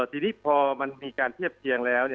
ทีนี้พอมันมีการเทียบเคียงแล้ว